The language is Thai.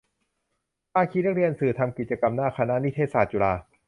ภาคีนักเรียนสื่อ ทำกิจกรรมหน้าคณะนิเทศศาสตร์ จุฬา